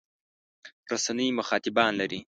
رسنۍ مخاطبان لري.